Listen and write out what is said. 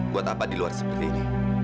buat apa di luar seperti ini